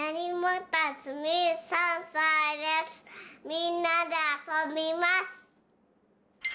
みんなであそびます！